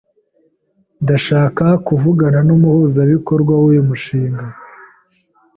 Ndashaka kuvugana numuhuzabikorwa wuyu mushinga.